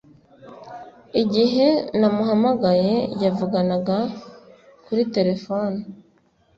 Igihe namuhamagaye yavuganaga kuri terefone